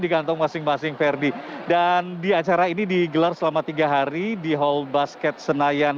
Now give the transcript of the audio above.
digantung masing masing verdi dan di acara ini digelar selama tiga hari di hall basket senayan